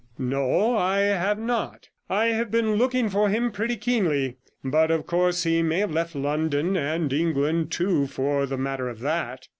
'No, I have not; and I have been looking out for him pretty keenly. But of course he may have left London, and England too, for the matter of that.'